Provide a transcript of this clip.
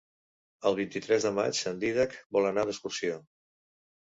El vint-i-tres de maig en Dídac vol anar d'excursió.